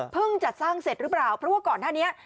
เพิ่งจะสร้างเสร็จหรือเปล่าเพราะว่าก่อนท่านี้